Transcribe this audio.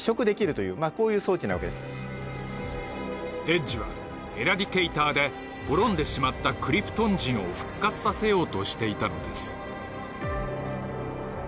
エッジはエラディケイターで滅んでしまったクリプトン人を復活させようとしていたのです。